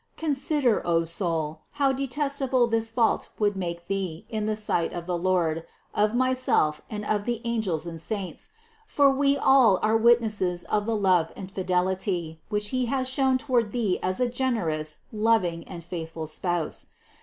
447. Consider, O soul, how detestable this fault would make thee in the sight of the Lord, of myself, and of the angels and saints. For we all are witnesses of the love and fidelity, which He has shown toward thee as a generous, loving and faithful Spouse.